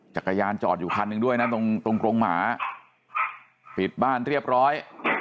จักรยานจอดอยู่คันหนึ่งด้วยนะตรงตรงกรงหมาปิดบ้านเรียบร้อย